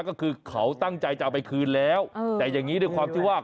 ก็คือเขาตั้งใจจะเอาไปคืนแล้วแต่อย่างนี้ด้วยความที่ว่า